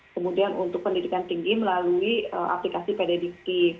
kemudian untuk pendidikan tinggi melalui aplikasi pededik